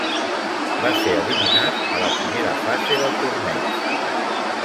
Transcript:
Va ser eliminat a la primera fase del torneig.